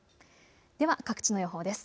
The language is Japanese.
では各地の予報です。